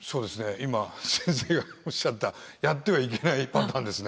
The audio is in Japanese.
今先生がおっしゃったやってはいけないパターンですね。